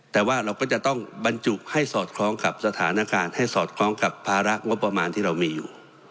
แต่ว่าเราก็จะต้องบรรจุให้สอดคล้องกับสถานการณ์ให้สอดคล้องกับภาระงบประมาณที่เรามีอยู่